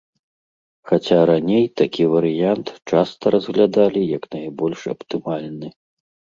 Хаця раней такі варыянт часта разглядалі як найбольш аптымальны.